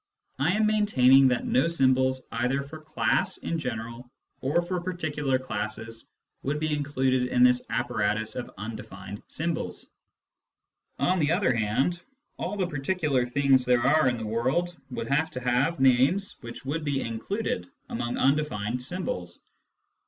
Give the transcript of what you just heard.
I am maintaining that no symbols either for " class " in general or for particular classes would be included in this apparatus of undefined symbols. On the other hand, all the particular things there are in the world would have to have names which would be included among undefined symbols.